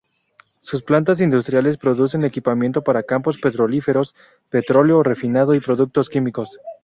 Sus plantas industriales producen equipamiento para campos petrolíferos, petróleo refinado y productos químicos.